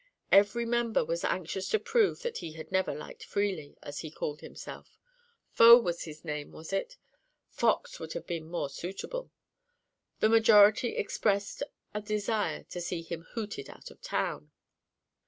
Every member was anxious to prove that he had never liked Freely, as he called himself. Faux was his name, was it? Fox would have been more suitable. The majority expressed a desire to see him hooted out of the town.